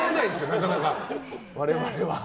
なかなか、我々は。